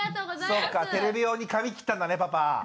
そっかテレビ用に髪切ったんだねパパ。